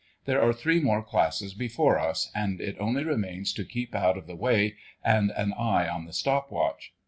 There are three more classes before us, and it only remains to keep out of the way and an eye on the stop watch.